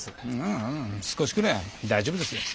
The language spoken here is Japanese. ああ少しくらい大丈夫ですよ。